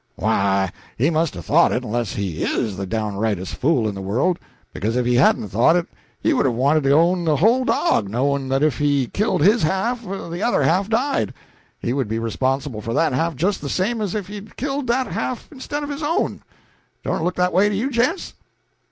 "Why, he must have thought it, unless he is the downrightest fool in the world; because if he hadn't thought it, he would have wanted to own the whole dog, knowing that if he killed his half and the other half died, he would be responsible for that half just the same as if he had killed that half instead of his own. Don't it look that way to you, gents?"